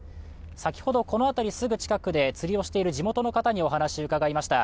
先ほど、この辺りのすぐ近くで釣りをしている地元の方にお話を伺いました。